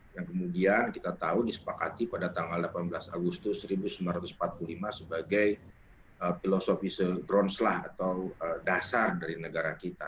yang kemudian kita tahu disepakati pada tanggal delapan belas agustus seribu sembilan ratus empat puluh lima sebagai filosofi se droneslah atau dasar dari negara kita